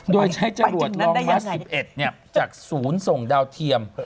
โดยใช้จรวดรองวัด๑๑จากศูนย์ส่งดาวเทียม